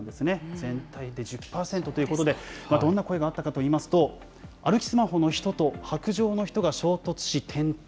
全体で１０％ということで、どんな声があったかといいますと、歩きスマホの人と白杖の人が衝突し転倒。